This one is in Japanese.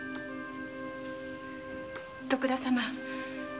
徳田様